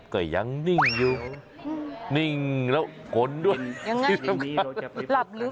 ก็ยังนิ่งอยู่นิ่งแล้วขนด้วยที่สำคัญ